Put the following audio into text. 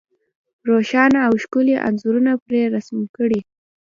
روښانه او ښکلي انځورونه پرې رسم کړي.